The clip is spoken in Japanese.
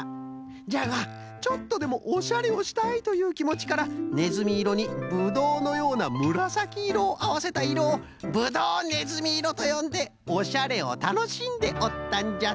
じゃがちょっとでもおしゃれをしたいというきもちからねずみいろにぶどうのようなむらさきいろをあわせたいろをぶどうねずみいろとよんでおしゃれをたのしんでおったんじゃと。